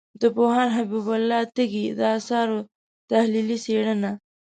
د پوهاند حبیب الله تږي د آثارو تحلیلي څېړنه